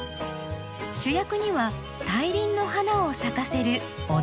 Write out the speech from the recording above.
主役には大輪の花を咲かせるオダマキ。